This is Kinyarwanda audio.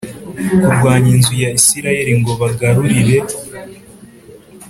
kurwanya inzu ya Isirayeli ngo bagarurire